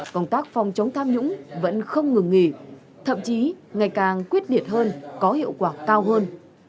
công tác phòng chống tham nhũng vẫn không ngừng nghỉ thậm chí ngày càng quyết liệt hơn có hiệu quả cao hơn